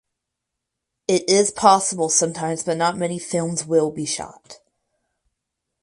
It is possible sometimes but not many films will be shot.